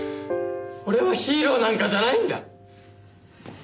俺はヒーローなんかじゃないんだ。